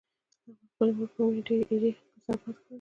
احمد د خپلې مور پر مړینه ډېرې ایرې پر سر باد کړلې.